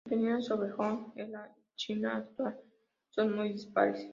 Las opiniones sobre Hong en la China actual son muy dispares.